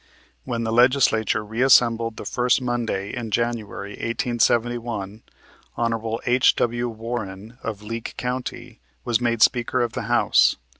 When the Legislature reassembled the first Monday in January, 1871, Hon. H.W. Warren, of Leake County, was made Speaker of the House.